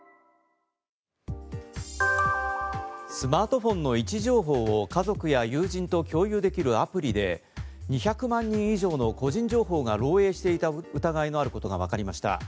スマートフォンの位置情報を家族や友人と共有できるアプリで２００万人以上の個人情報が漏えいしていた疑いのあることがわかりました。